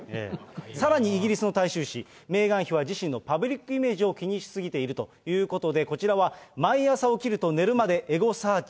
さらにイギリスの大衆誌、メーガン妃は自身のパブリックイメージを気にし過ぎているということで、こちらは毎朝、起きると寝るまでエゴサーチ。